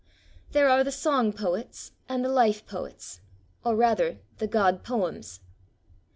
There are the song poets and the life poets, or rather the God poems.